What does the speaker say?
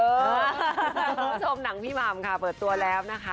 คุณผู้ชมหนังพี่หม่ำค่ะเปิดตัวแล้วนะคะ